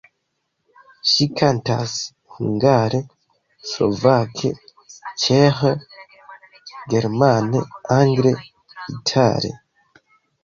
Ŝi kantas hungare, slovake, ĉeĥe, germane, angle, itale.